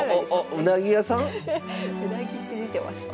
「うなぎ」って出てますね。